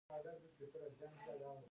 اوړي د افغانستان د طبیعت د ښکلا برخه ده.